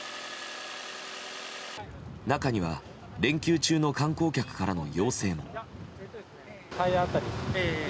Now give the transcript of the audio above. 中には連休中の観光客からの要請も。